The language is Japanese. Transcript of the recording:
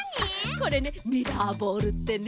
これねミラーボールってね